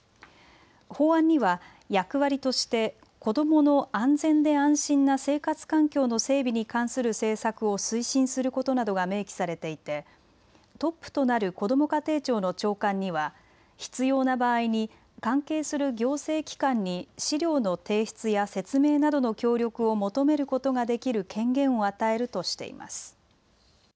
法案には役割として子どもの安全で安心な生活環境の整備に関する政策を推進することなどが明記されていてトップとなるこども家庭庁の長官には必要な場合に関係する行政機関に資料の提出や説明などの協力を求めることができる権限を与えるとしています。